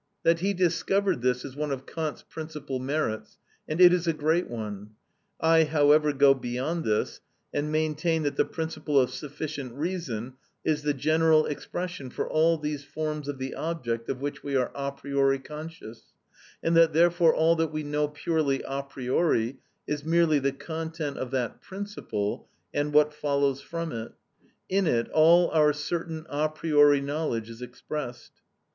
That he discovered this is one of Kant's principal merits, and it is a great one. I however go beyond this, and maintain that the principle of sufficient reason is the general expression for all these forms of the object of which we are a priori conscious; and that therefore all that we know purely a priori, is merely the content of that principle and what follows from it; in it all our certain a priori knowledge is expressed.